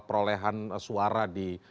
perolehan suara di